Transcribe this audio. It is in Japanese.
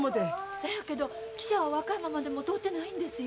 そやけど汽車は和歌山までも通ってないんですよ。